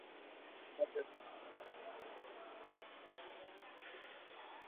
The acidity helps keep the ingredients from spoiling.